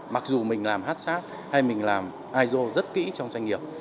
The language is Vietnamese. mặc dù mình làm haccp hay mình làm iso rất kỹ trong doanh nghiệp